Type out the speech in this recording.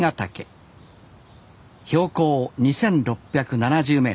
標高２，６７０ｍ。